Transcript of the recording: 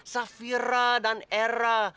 safira dan era